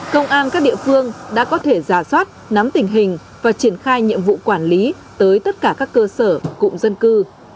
công an các địa phương đã có thể giả soát nắm tình hình và triển khai nhiệm vụ quản lý tới tất cả các cơ sở cụm dân cư